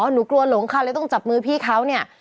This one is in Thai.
หนูกลัวหลงค่ะเลยต้องจับมือพี่เขาเนี่ย